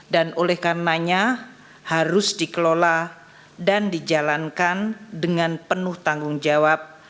dan oleh karenanya harus dikelola dan dijalankan dengan penuh tanggung jawab